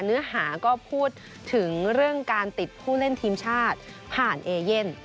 เนื้อหาก็พูดถึงเรื่องการติดผู้เล่นทีมชาติผ่านเอเย่น